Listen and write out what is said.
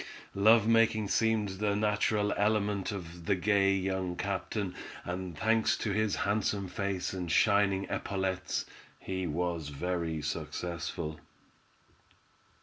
Love making seemed the natural element of the gay young captain, and thanks to his handsome face and shining epaulettes, he was very successful.